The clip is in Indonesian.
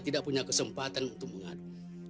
tidak punya kesempatan untuk mengadu